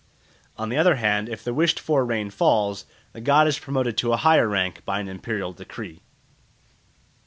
On the other hand, if the wished for rain falls, the god is promoted to a higher rank by an imperial decree.